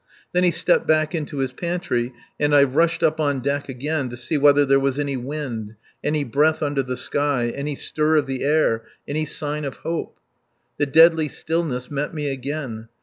Then he stepped back into his pantry, and I rushed up on deck again to see whether there was any wind, any breath under the sky, any stir of the air, any sign of hope. The deadly stillness met me again.